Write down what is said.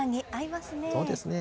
そうですね。